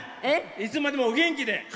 いつまでもお元気で。